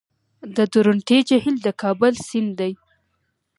د درونټې جهیل د کابل سیند دی